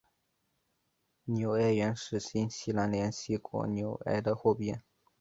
纽埃元是新西兰联系国纽埃的货币。